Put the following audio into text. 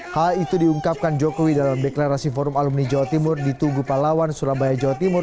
hal itu diungkapkan jokowi dalam deklarasi forum alumni jawa timur di tugu pahlawan surabaya jawa timur